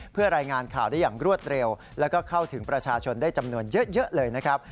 เพื่อรายงานข่าวได้อย่างรวดเร็วแล้วก็เข้าถึงประชาชนได้จำนวนเยอะเลยนะครับ